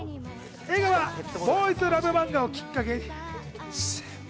映画はボーイズラブマンガをきっかけに。